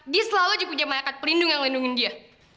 dia selalu aja punya malaikat pelindung yang ngelindungin dia